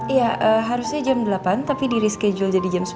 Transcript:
iya harusnya jam delapan tapi di reschedule jadi jam sembilan